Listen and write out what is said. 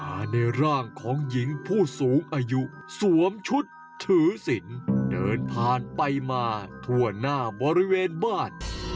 ในร่างของหญิงผู้สูงอายุสวมชุดถือศิลป์เดินผ่านไปมาทั่วหน้าบริเวณบ้าน